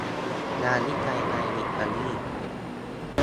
งานวิจัยในอิตาลี